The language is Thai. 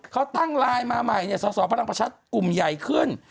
เขาตั้งไลน์มาใหม่สอสอพลังประชากลุ่มใหญ่ขึ้น